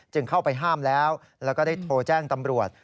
เข้าไปห้ามแล้วแล้วก็ได้โทรแจ้งตำรวจ